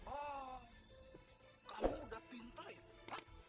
oh kamu udah pinter itu